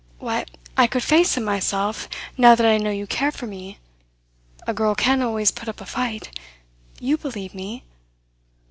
Why, I could face him myself now that I know you care for me. A girl can always put up a fight. You believe me?